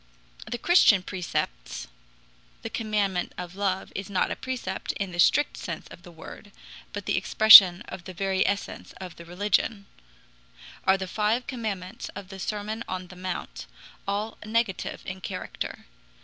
The Christian precepts (the commandment of love is not a precept in the strict sense of the word, but the expression of the very essence of the religion) are the five commandments of the Sermon on the Mount all negative in character.